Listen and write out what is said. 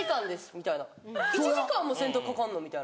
みたいな１時間も洗濯かかんの？みたいな。